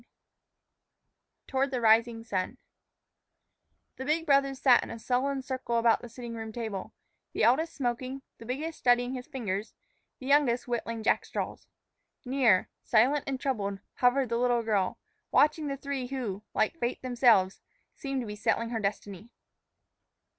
XIX TOWARD THE RISING SUN THE big brothers sat in a sullen circle about the sitting room table, the eldest smoking, the biggest studying his fingers, the youngest whittling jackstraws. Near, silent and troubled, hovered the little girl, watching the three who, like the Fates themselves, seemed to be settling her destiny.